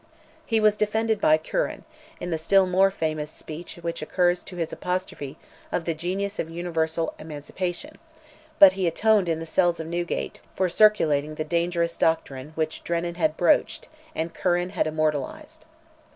He was defended by Curran, in the still more famous speech in which occurs his apostrophe to "the genius of Universal Emancipation;" but he atoned in the cells of Newgate, for circulating the dangerous doctrine which Drennan had broached, and Curran had immortalized.